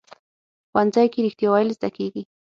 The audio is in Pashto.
ښوونځی کې رښتیا ویل زده کېږي